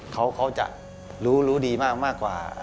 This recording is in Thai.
เขาจะรู้ดีมากกว่า